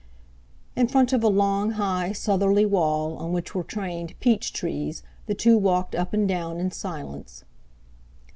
In front of a long high southerly wall on which were trained peach trees the two walked up and down in silence.